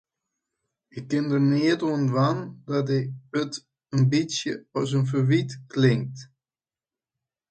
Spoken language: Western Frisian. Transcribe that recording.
Ik kin der neat oan dwaan dat it in bytsje as in ferwyt klinkt.